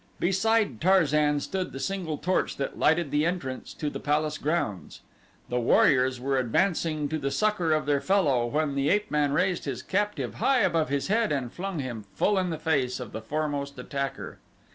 Beside Tarzan stood the single torch that lighted the entrance to the palace grounds. The warriors were advancing to the succor of their fellow when the ape man raised his captive high above his head and flung him full in the face of the foremost attacker.